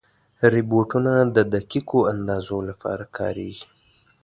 روبوټونه د دقیقو اندازو لپاره کارېږي.